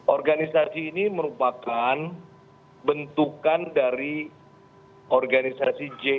organisasi ini merupakan bentukan dari organisasi ji